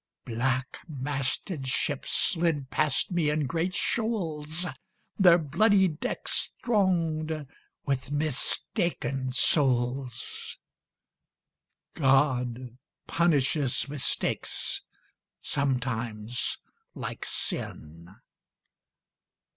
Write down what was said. Black masted ships slid past me in great shoals, Their bloody decks thronged with mistaken souls. (God punishes mistakes sometimes like sin.)